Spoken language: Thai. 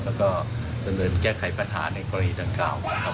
แล้วก็เฉลินแก้ไขปัญหาในกรณีทางเก้านะครับ